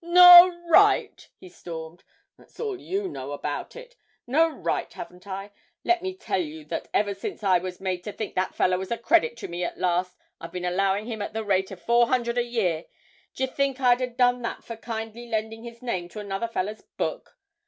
'No right!' he stormed, 'that's all you know about it. No right, haven't I? Let me tell you that ever since I was made to think that feller was a credit to me at last, I've bin allowing him at the rate of four hundred a year; d'ye think I'd 'a done that for kindly lending his name to another feller's book?